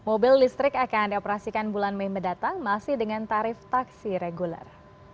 mobil listrik akan dioperasikan bulan mei mendatang masih dengan tarif taksi reguler